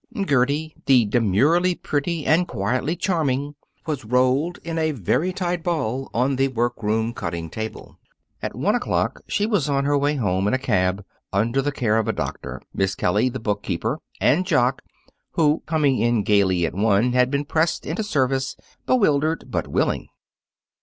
Gertie, the demurely pretty and quietly charming, was rolled in a very tight ball on the workroom cutting table. At one o'clock, she was on her way home in a cab, under the care of a doctor, Miss Kelly, the bookkeeper, and Jock, who, coming in gaily at one, had been pressed into service, bewildered but willing.